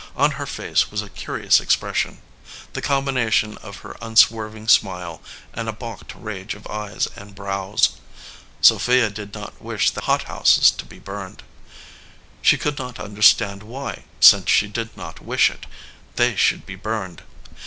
On her face was a curious expression the combination of her un swerving smile and a balked rage of eyes and brows. Sophia did not wish the hothouses to be burned. She could not understand why, since she did not wish it, they should be burned.